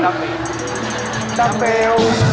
น้ำเปล